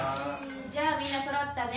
じゃあみんな揃ったね。